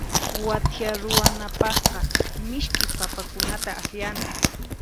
Wathiya ruwanapaqqa misk'i papakunata akllana.